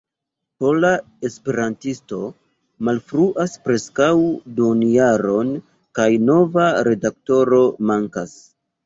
Pola Esperantisto malfruas preskaŭ duonjaron, kaj nova redaktoro mankas.